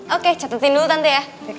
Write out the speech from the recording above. oke catetin dulu nanti ya